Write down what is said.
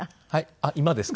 あっ今ですか？